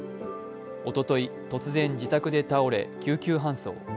おととい、突然自宅で倒れ、救急搬送。